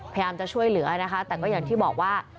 พยายามจะช่วยเหลือนะคะแต่ก็อย่างที่บอกว่า